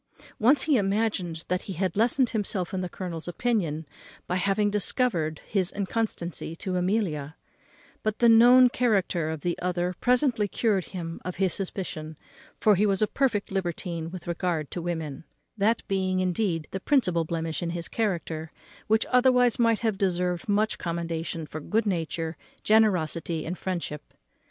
Once he imagined that he had lessened himself in the colonel's opinion by having discovered his inconstancy to Amelia; but the known character of the other presently cured him of his suspicion, for he was a perfect libertine with regard to women; that being indeed the principal blemish in his character, which otherwise might have deserved much commendation for good nature, generosity, and friendship.